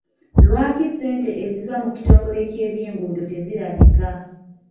Lwaki ssente eziva mu kitongole ky'ebyenguudo tezirabika?